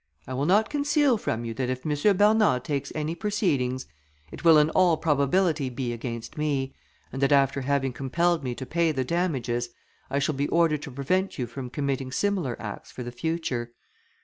I will not conceal from you, that if M. Bernard takes any proceedings, it will in all probability be against me, and that after having compelled me to pay the damages, I shall be ordered to prevent you from committing similar acts for the future.